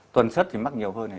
tuần suất thì mắc nhiều hơn này